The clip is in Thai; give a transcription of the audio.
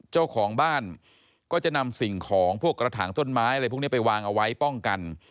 เจ้าของบ้านก็จะนำสิ่งของพวกกระถางต้นไม้อะไรพวกนี้ไปวางเอาไว้ป้องกัน